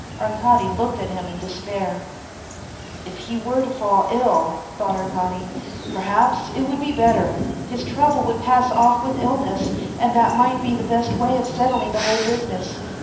Arkady looked at him in despair. " If he were to fall ill," thought Arkady, " perhaps it would be better. His trouble would pass off with illness, and that might be the best way of settling the whole business.